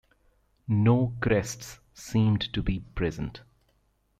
No crests seemed to be present.